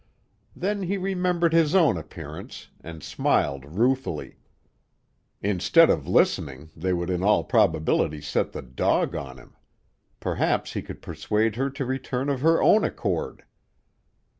Then he remembered his own appearance, and smiled ruefully. Instead of listening they would in all probability set the dog on him. Perhaps he could persuade her to return of her own accord.